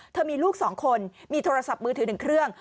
มีลูก๒คนมีโทรศัพท์มือถือ๑เครื่อง